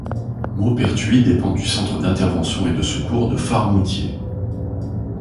Mauperthuis dépend du centre d'intervention et de secours de Faremoutiers.